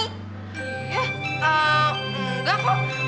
eh eh enggak kok